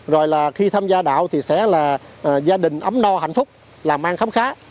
rồi là khi tham gia đạo thì sẽ là gia đình ấm no hạnh phúc làm ăn khám khá